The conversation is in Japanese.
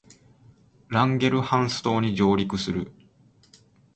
ランゲルハンス島に上陸する